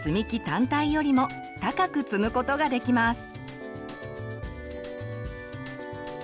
単体よりも高く積むことができます。